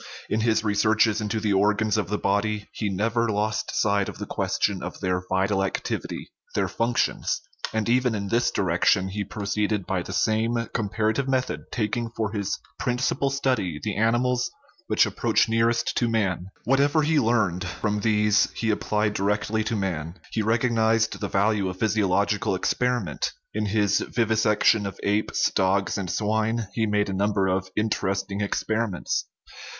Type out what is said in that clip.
In his re searches into the organs of the body he never lost sight 40. OUR LIFE of the question of their vital activity, their functions ; and even in this direction he proceeded by the same comparative method, taking for his principal study the animals which approach nearest to man. What ever he learned from these he applied directly to man. He recognized the value of physiological experiment ; in his vivisection of apes, dogs, and swine he made a number of interesting experiments.